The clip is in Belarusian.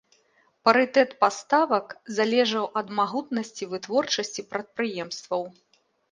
Парытэт паставак залежаў ад магутнасці вытворчасці прадпрыемстваў.